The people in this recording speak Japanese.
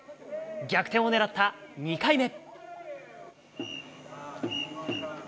逆転を狙った２回目。